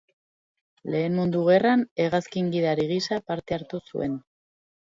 Lehen Mundu Gerran, hegazkin-gidari gisa parte hartu zuen.